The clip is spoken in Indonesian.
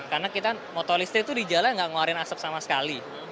karena kita motor listrik itu di jalan nggak ngeluarin asap sama sekali